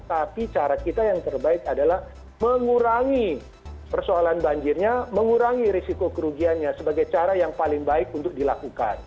tapi cara kita yang terbaik adalah mengurangi persoalan banjirnya mengurangi risiko kerugiannya sebagai cara yang paling baik untuk dilakukan